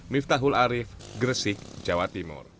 miftahul arief gresik jawa timur